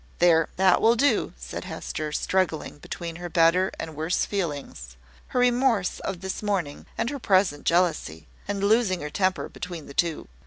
"There! that will do," said Hester, struggling between her better and worse feelings her remorse of this morning, and her present jealousy and losing her temper between the two.